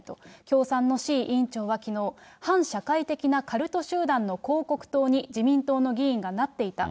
共産の志位委員長はきのう、反社会的なカルト集団の広告塔に自民党の議員がなっていた。